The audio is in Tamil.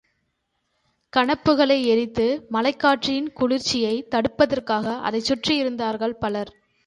கணப்புகளை எரித்து மலைக்காற்றின் குளிர்ச்சியைத் தடுப்பதற்காக அதைச் சுற்றி இருந்தார்கள் பலர்.